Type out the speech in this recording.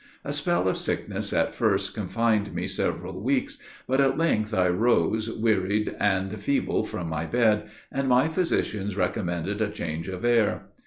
A spell of sickness at first confined me several weeks, but at length I rose wearied and feeble from my bed, and my physicians recommended a change of air.